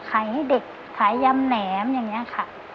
ให้เด็กขายยำแหนมอย่างนี้ค่ะ